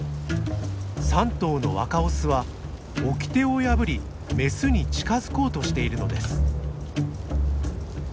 ３頭の若オスは掟を破りメスに近づこうとしているのです。